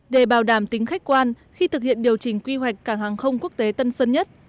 để bảo đảm tính khách quan khi thực hiện điều chỉnh quy hoạch cảng hàng không quốc tế tân sơn nhất